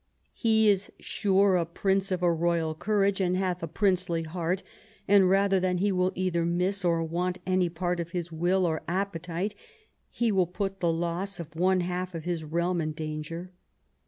He is sure a prince of a royal courage, and hath a princely heart; and rather than he will either ipiiss or want any part of his will or appetite he will put the loss of one half of his realm in danger.